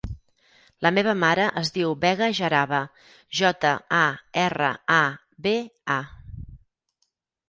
La meva mare es diu Vega Jaraba: jota, a, erra, a, be, a.